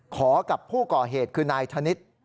กับผู้ก่อเหตุคือนายธนิษฐ์